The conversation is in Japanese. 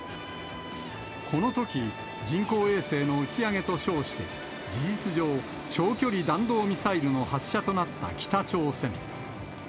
このとき、人工衛星の打ち上げと称して、事実上、長距離弾道ミサイルの発射となった北朝鮮。